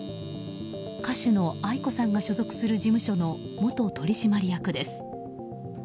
歌手のａｉｋｏさんが所属する事務所の元取締役です。